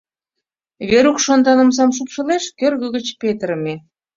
Верук шондан омсам шупшылеш — кӧргӧ гыч петырыме.